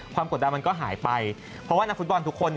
กดดันมันก็หายไปเพราะว่านักฟุตบอลทุกคน